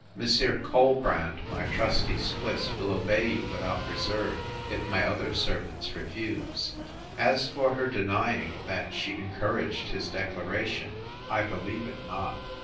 'Monsieur Colbrand, my trusty Swiss, will obey you without reserve, if my other servants refuse. 'As for her denying that she encouraged his declaration, I believe it not.